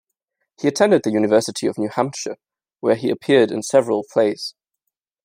He attended the University of New Hampshire, where he appeared in several plays.